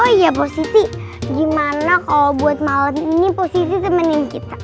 oh iya posisi gimana kalau buat malam ini posisi temenin kita